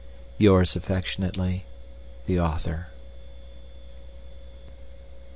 Yours affectionately, The Author.